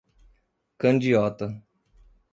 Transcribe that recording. Candiota